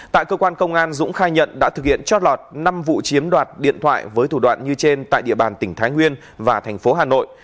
tại cơ quan công an dũng khai nhận đã thực hiện trót lọt năm vụ chiếm đoạt điện thoại với thủ đoạn như trên tại địa bàn tỉnh thái nguyên và thành phố hà nội